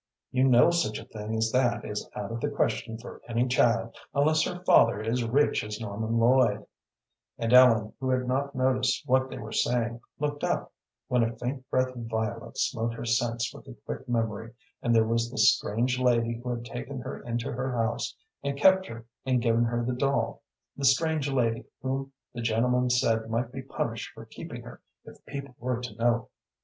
You know such a thing as that is out of the question for any child unless her father is rich as Norman Lloyd," and Ellen, who had not noticed what they were saying, looked up, when a faint breath of violets smote her sense with a quick memory, and there was the strange lady who had taken her into her house and kept her and given her the doll, the strange lady whom the gentleman said might be punished for keeping her if people were to know.